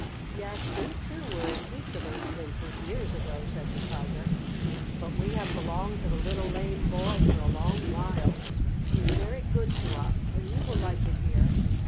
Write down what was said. "Yes, we, too, were in each of those places, years ago," said the Tiger. "But we have belonged to the little lame boy for a long while. He is very good to us, and you will like it here."